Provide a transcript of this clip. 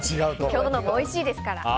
今日のもおいしいですから。